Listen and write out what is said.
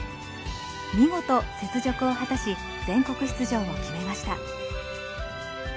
見事雪辱を果たし全国出場を決めました。